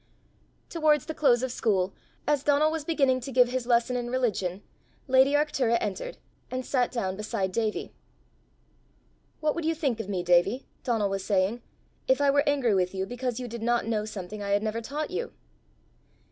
Towards the close of school, as Donal was beginning to give his lesson in religion, lady Arctura entered, and sat down beside Davie. "What would you think of me, Davie," Donal was saying, "if I were angry with you because you did not know something I had never taught you?"